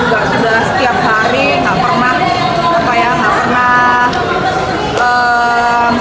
kita juga sudah setiap hari tidak pernah kedor jadi terus tetap semangat